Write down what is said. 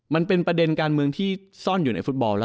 มันเป็นประเด็นการเมืองที่ซ่อนอยู่ในฟุตบอลแล้ว